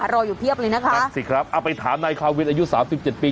รออยู่เพียบเลยนะคะนั่นสิครับเอาไปถามนายคาวินอายุสามสิบเจ็ดปี